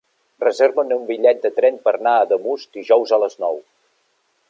Reserva'm un bitllet de tren per anar a Ademús dijous a les nou.